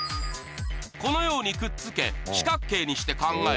このようにくっつけ四角形にして考えること。